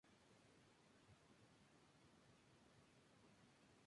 Unos meses luego del lanzamiento del álbum, la banda se disolvió.